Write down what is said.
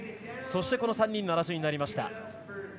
そして３人の争いになりました。